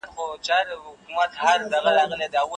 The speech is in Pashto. آیا ملکیار هوتک د پښتو ادب د پنځو ستورو څخه دی؟